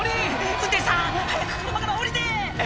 運転手さん早く車から降りて！